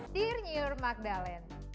dear nyur magdalem